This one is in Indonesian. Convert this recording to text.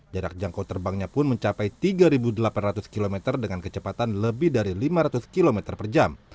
jarak jangkau terbangnya pun mencapai tiga delapan ratus km dengan kecepatan lebih dari lima ratus km per jam